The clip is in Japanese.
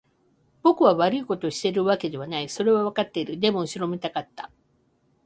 僕は悪いことをしているわけではない。それはわかっている。でも、後ろめたかった。